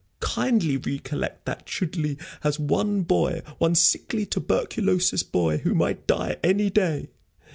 Kindly recollect that Chudleigh has one boy one sickly, tuberculous boy who might die any day.